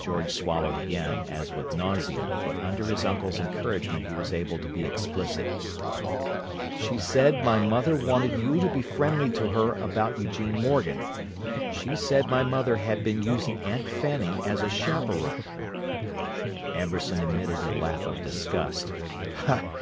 George swallowed again, as with nausea, but under his uncle's encouragement he was able to be explicit. "She said my mother wanted you to be friendly to her about Eugene Morgan. She said my mother had been using Aunt Fanny as a chaperone." Amberson emitted a laugh of disgust.